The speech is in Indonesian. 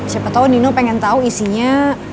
siapa tahu nino pengen tahu isinya